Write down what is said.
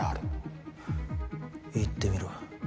言ってみろ。